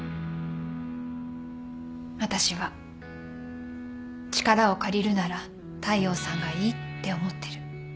私は力を借りるなら大陽さんがいいって思ってる。